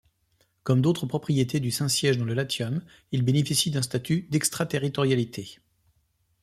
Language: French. Comme d'autres propriétés du Saint-Siège dans le Latium, il bénéficie d'un statut d'extraterritorialité.